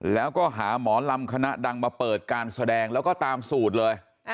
แล้วก็หาหมอลำคณะดังมาเปิดการแสดงแล้วก็ตามสูตรเลย